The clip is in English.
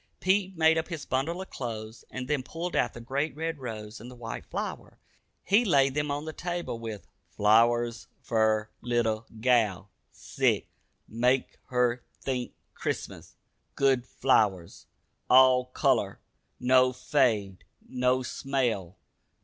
Pete made up his bundle of clothes, and then pulled out the great red rose and the white flower. He laid them on the table with "Flowers fer little gal. Sick. Make her think Crissmus. Good flowers. All color. No fade. No smell.